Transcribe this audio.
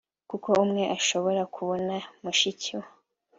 kuko umwe ashobora kubona mushiki we